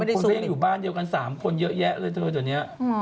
บางคนแบบอยู่บ้านเดียวกัน๓คนเยอะแยะเลยเถอะเนี่ย